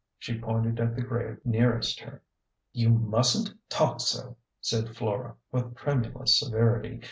She pointed at the grave near est her. " You mustn't talk so," said Flora, with tremulous severity.